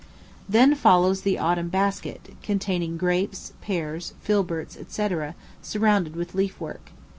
Then follows the Autumn basket, containing grapes, pears, filberts, &c., surrounded with leaf work.